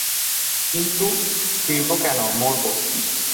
কিন্তু ফিরব কেন, মরব।